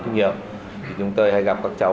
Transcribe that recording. rất nhiều chúng tôi hay gặp các cháu